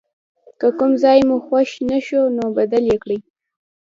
که کوم ځای مو خوښ نه شو نو بدل یې کړئ.